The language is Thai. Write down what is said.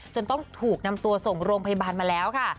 ต้องถูกนำตัวส่งโรงพยาบาลมาแล้วค่ะ